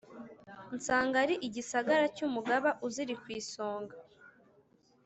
nsanga ari igisagara cy' umugaba uziri kw' isonga.